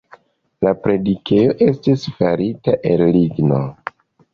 La predikejo estis farita el ligno.